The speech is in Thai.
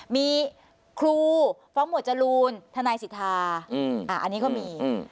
มีครูฟ้องหมวดจรูนทนายสิทธาอันนี้ก็มี